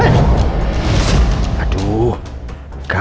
revechi kalau mungkin